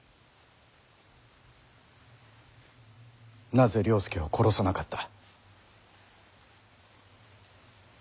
なぜ了助を殺さなかった？